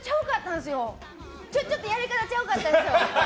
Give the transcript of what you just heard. ちょっとやり方ちゃうかったんですよ。